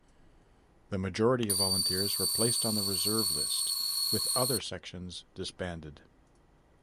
The majority of volunteers were placed on the reserve list, with other sections disbanded.